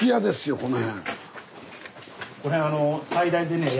この辺。